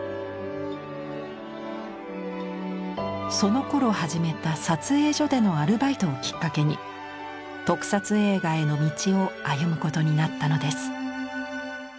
そのころ始めた撮影所でのアルバイトをきっかけに特撮映画への道を歩むことになったのです。